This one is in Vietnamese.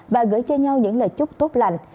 và gửi cho nhau những lời chúc tốt lành